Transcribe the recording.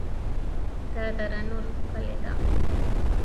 د دره نور ښکلې ده